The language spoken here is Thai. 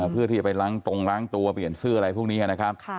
เพื่อที่จะไปล้างตรงล้างตัวเปลี่ยนเสื้ออะไรพวกนี้นะครับ